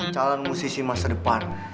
calon musisi masa depan